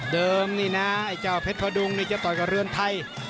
นี่นะไอ้เจ้าเพชรพดุงนี่จะต่อยกับเรือนไทย